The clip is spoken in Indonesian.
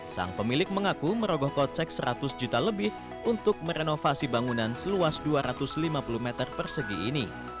sang pemilik mengaku merogoh kocek seratus juta lebih untuk merenovasi bangunan seluas dua ratus lima puluh meter persegi ini